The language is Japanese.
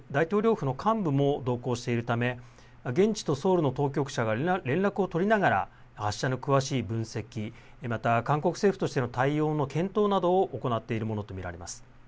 府の幹部も同行しているため現地とソウルの当局者が連絡を取りながら発射の詳しい分析、また韓国政府としての対応の検討などを行っているものと見られます。